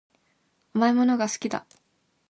甘いものが好きだ